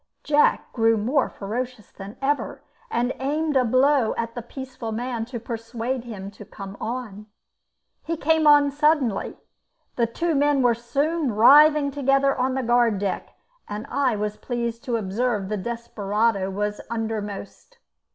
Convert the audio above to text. Jack grew more ferocious than ever, and aimed a blow at the peaceful man to persuade him to come on. He came on suddenly. The two men were soon writhing together on the guard deck, and I was pleased to observe the desperado was undermost.